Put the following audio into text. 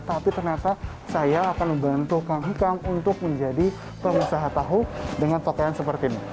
tapi ternyata saya akan membantu kang hikam untuk menjadi pengusaha tahu dengan pakaian seperti ini